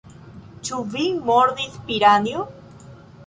Ĉu vin mordis piranjo?